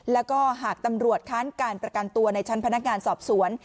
แล้วก็หากตำรวจค้านการประกันตัวในชั้นพนักงานสอบสวน